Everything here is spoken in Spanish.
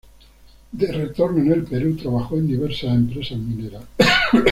De retorno en el Perú, trabajó en diversas empresas mineras.